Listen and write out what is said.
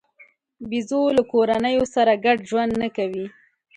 بیزو له کورنیو سره ګډ ژوند نه کوي.